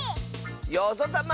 よぞたま！